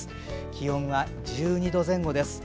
気温は１２度前後です。